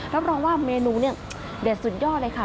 รับรองว่าเมนูเนี่ยเด็ดสุดยอดเลยค่ะ